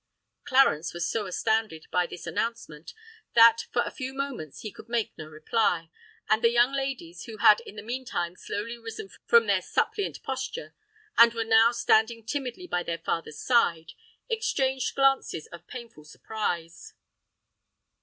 Clarence was so astounded by this announcement, that for a few moments he could make no reply; and the young ladies, who had in the meantime slowly risen from their suppliant posture and were now standing timidly by their father's side, exchanged glances of painful surprise.